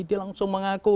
dia langsung mengaku